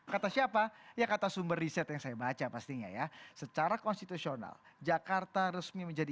kata siapa ya kata sumber riset yang saya baca pastinya ya secara konstitusional jakarta resmi menjadi